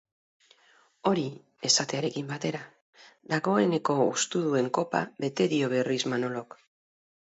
Hori esatearekin batera, dagoeneko hustu duen kopa bete dio berriz Manolok.